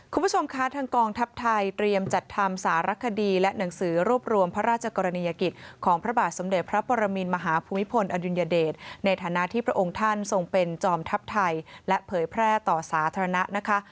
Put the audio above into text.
คุณผู้ชมคะทางกองทัพไทยเตรียมจัดทำสารคดีและหนังสือรวบรวมพระราชกรณียกิจของพระบาทสมเด็จพระปรมินมหาภูมิพลอดุลยเดชในฐานะที่พระองค์ท่านทรงเป็นจอมทัพไทยและเผยแพร่ต่อสาธารณะนะคะ